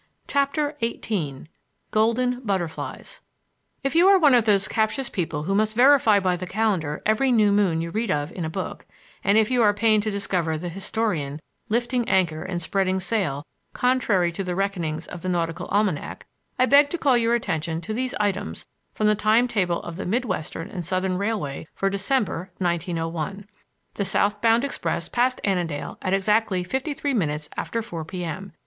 CHAPTER XVIII GOLDEN BUTTERFLIES If you are one of those captious people who must verify by the calendar every new moon you read of in a book, and if you are pained to discover the historian lifting anchor and spreading sail contrary to the reckonings of the nautical almanac, I beg to call your attention to these items from the time table of the Mid Western and Southern Railway for December, 1901. The south bound express passed Annandale at exactly fifty three minutes after four P. M.